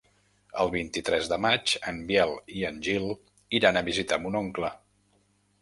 El vint-i-tres de maig en Biel i en Gil iran a visitar mon oncle.